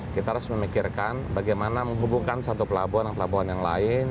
kita harus memikirkan bagaimana menghubungkan satu pelabuhan dengan pelabuhan yang lain